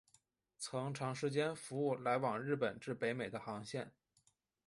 曾长时间服务来往日本至北美的航线。